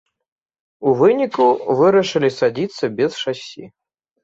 У выніку вырашылі садзіцца без шасі.